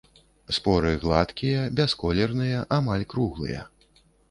Споры гладкія, бясколерныя, амаль круглыя.